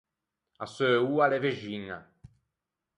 A seu oa a l’é vexiña.